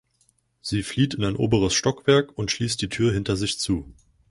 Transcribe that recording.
Sie flieht in ein oberes Stockwerk und schließt die Tür hinter sich zu.